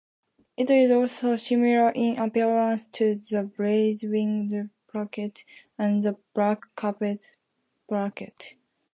It is also similar in appearance to the blaze-winged parakeet and the black-capped parakeet.